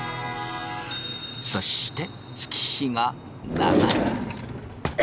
そして月日が流れ。